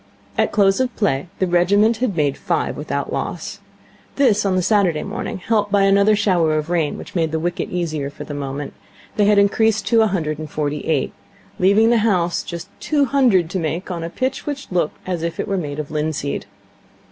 At close of play the regiment had made five without loss. This, on the Saturday morning, helped by another shower of rain which made the wicket easier for the moment, they had increased to a hundred and forty eight, leaving the house just two hundred to make on a pitch which looked as if it were made of linseed.